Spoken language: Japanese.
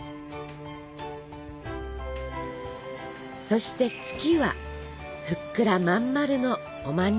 そして「月」はふっくらまん丸のおまんじゅう。